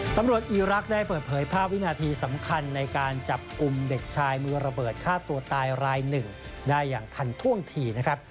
อีรักษ์ได้เปิดเผยภาพวินาทีสำคัญในการจับกลุ่มเด็กชายมือระเบิดฆ่าตัวตายรายหนึ่งได้อย่างทันท่วงทีนะครับ